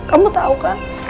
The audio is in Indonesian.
kamu tahu kak